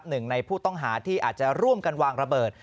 หนึ่งในผู้ต้องหาที่อาจจะร่วมกันวางระเบิด